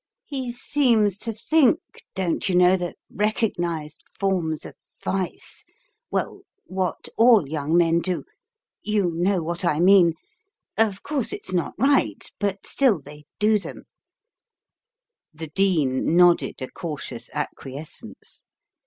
"He seems to think, don't you know, the recognised forms of vice well, what all young men do you know what I mean Of course it's not right, but still they do them " The Dean nodded a cautious acquiescence.